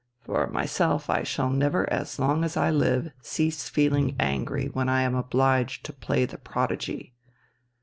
For myself I shall never as long as I live cease feeling angry when I am obliged to play the prodigy."